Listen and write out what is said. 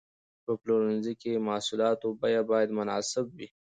په پلورنځي کې د محصولاتو بیه باید مناسب وي.